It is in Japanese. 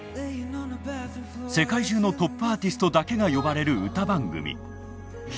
世界中のトップアーティストだけが呼ばれる歌番組。